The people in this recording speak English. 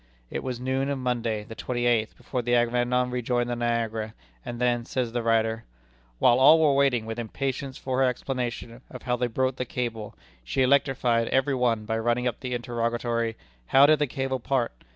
It was noon of Monday, the twenty eighth, before the Agamemnon rejoined the Niagara; and then, says the writer: "While all were waiting with impatience for her explanation of how they broke the cable, she electrified every one by running up the interrogatory: 'How did the cable part?'